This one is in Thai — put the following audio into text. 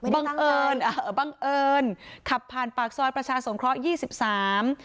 บังเอิญเอ่อบังเอิญขับผ่านปากซอยประชาสงเคราะหยี่สิบสาม